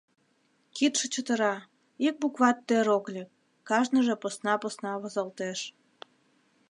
Кидше чытыра, ик букват тӧр ок лек, кажныже посна-посна возалтеш.